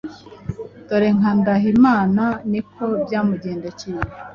Dore nka ndahimana niko byamugendekeye